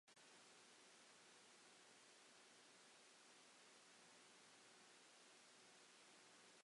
Ffotograffau lliw trawiadol o'r gofod, a darluniau lliw.